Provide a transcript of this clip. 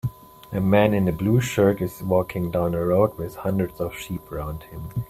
A man in a blue shirt Is walking down a road with hundreds of sheep around him